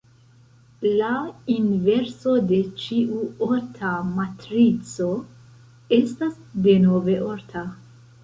La inverso de ĉiu orta matrico estas denove orta.